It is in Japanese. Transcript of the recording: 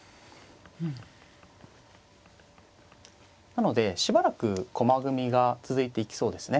なのでしばらく駒組みが続いていきそうですね。